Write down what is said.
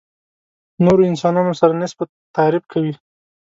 نورو انسانانو سره نسبت تعریف کوي.